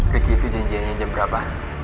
ricky itu janjinya jam berapa